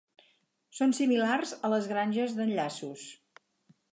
Són similars a les granges d'enllaços.